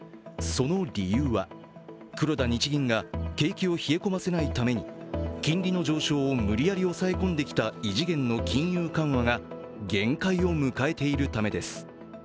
その理由は、黒田日銀が景気を冷え込ませないために金利の上昇を無理やり抑え込んできた異次元の金融緩和が限界を迎えているためです。